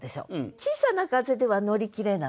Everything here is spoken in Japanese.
小さな風では乗り切れない。